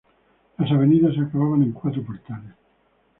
Las avenidas acababan en cuatro portales.